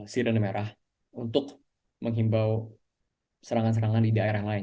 sidono merah untuk menghimbau serangan serangan di daerah lain